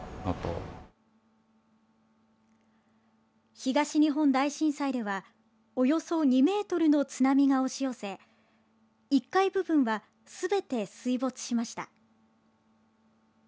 東日本大震災ではおよそ２ｍの津波が押し寄せ１階部分はすべて水没しました。